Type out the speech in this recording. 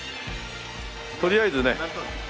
とりあえずね。何等？